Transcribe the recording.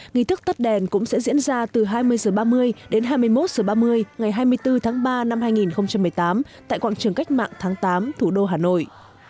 nghị thức tắt đèn cũng sẽ diễn ra từ hai mươi h ba mươi đến hai mươi một h ba mươi ngày hai mươi bốn tháng ba năm hai nghìn một mươi tám tại quảng trường cách mạng tháng tám thủ đô hà nội